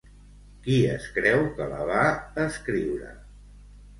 Qui es creu que la va escriure?